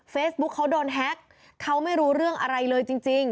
เฟซบุ๊คเขาโดนแฮ็กเขาไม่รู้เรื่องอะไรเลยจริง